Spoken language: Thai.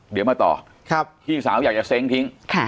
เดี๋ยวมาต่อพี่สาวอยากจะเซ้งทิ้ง